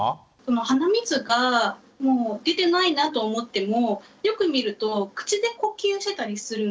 鼻水がもう出てないなと思ってもよく見ると口で呼吸してたりするんですよ。